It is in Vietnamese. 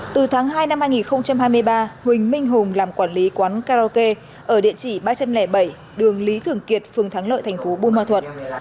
từ tháng hai năm hai nghìn hai mươi ba huỳnh minh hùng làm quản lý quán karaoke ở địa chỉ ba trăm linh bảy đường lý thưởng kiệt phường thắng lợi thành phố bumathut